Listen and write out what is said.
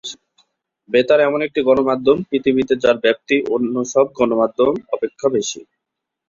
বেতার এমন একটি গণমাধ্যম পৃথিবীতে যার ব্যাপ্তি অন্য সব গণমাধ্যম অপেক্ষা বেশি।